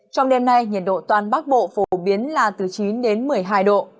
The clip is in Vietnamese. trong đêm nay nhiệt độ toàn bắc bộ phổ biến là từ chín đến một mươi hai độ